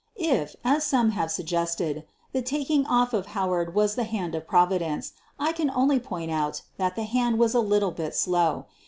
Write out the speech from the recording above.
If, as some have suggested, the taking off of Howard was the hand of Providence, I can only point out that the hand was a little bit slow.